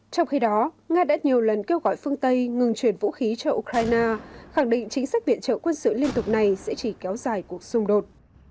trong khi đó nga đã nhiều lần kêu gọi phương tây ngừng chuyển vũ khí cho ukraine khẳng định chính sách viện trợ quân sự liên tục này sẽ chỉ kéo dài cuộc xung đột